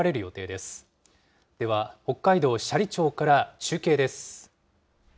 では北海道斜里町から中継です。